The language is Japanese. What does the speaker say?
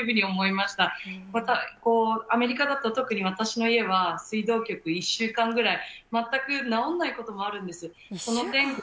また、アメリカだと特に私の家は、水道局、１週間ぐらい、全く直らないこともあるんです。